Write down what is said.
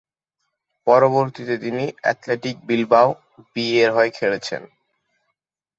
পরবর্তীতে তিনি Athletic Bilbao বি-এর হয়ে খেলেছেন।